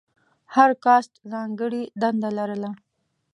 هر کاسټ ځانګړې دنده لرله.